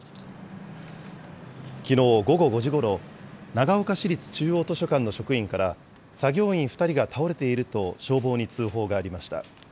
きのう午後５時ごろ、長岡市立中央図書館の職員から、作業員２人が倒れていると消防に通報がありました。